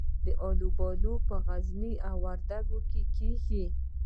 الوبالو په غزني او وردګو کې کیږي.